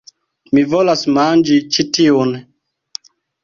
Mi volas manĝi ĉi tiun